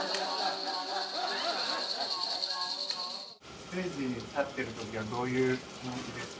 ステージに立ってる時はどういう気持ちですか？